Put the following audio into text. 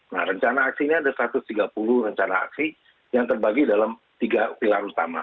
nah rencana aksi ini ada satu ratus tiga puluh rencana aksi yang terbagi dalam tiga pilar utama